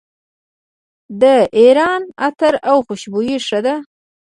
د ایران عطر او خوشبویي ښه ده.